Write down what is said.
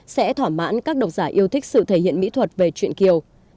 sẽ thỏa mãn các độc giả yêu thích sự thể hiện mỹ thuật về chuyện kiều